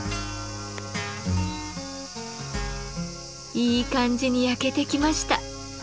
いい感じに焼けてきました。